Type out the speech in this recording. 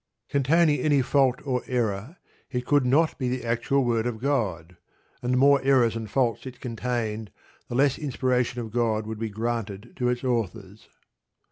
Containing any fault or error, it could not be the actual word of God, and the more errors and faults it contained, the less inspiration of God would be granted to its authors.